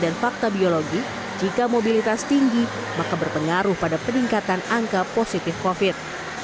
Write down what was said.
dan fakta biologi jika mobilitas tinggi maka berpengaruh pada peningkatan angka positif profit